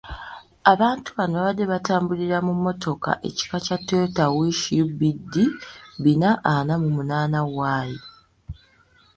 Abasatu bano baabadde batambulira mu mmotoka ekika kya Toyota Wish UBD bina ana mu munaana Y.